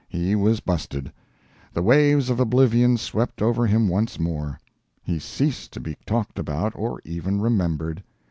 He was busted. The waves of oblivion swept over him once more. He ceased to be talked about or even remembered.